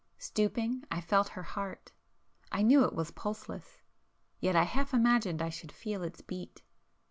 Stooping, I felt her heart,—I knew it was pulseless; yet I half imagined I should feel its beat.